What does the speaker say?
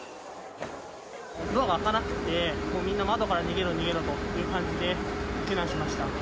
ドアが開かなくて、みんな窓から逃げろ逃げろという感じで避難しました。